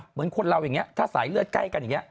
เหมือนคนเราอย่างนี้ถ้าสายเลือดใกล้กันอย่างนี้